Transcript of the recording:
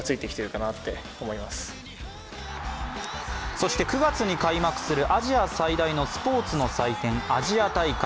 そして、９月に開幕するアジア最大のスポーツの祭典アジア大会。